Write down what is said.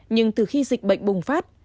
nhưng từ khi dịch bệnh bùng phát